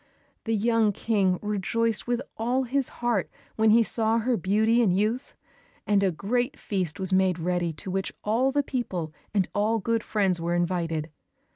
The young King rejoiced with all his heart when he saw her beauty and youth, and a great feast was made ready to which all the people and all good friends were invited.